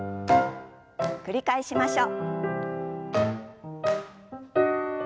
繰り返しましょう。